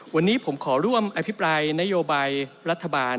วันนี้ผมขอร่วมอภิปรายนโยบายรัฐบาล